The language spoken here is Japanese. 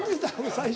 最初。